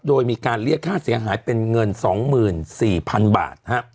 โดยมีการเรียกค่าเสียหายเป็นเงิน๒๔๐๐๐บาท